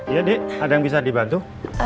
iya dik ada yang bisa dibantu